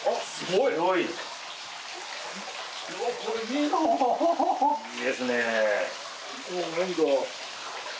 いいですね。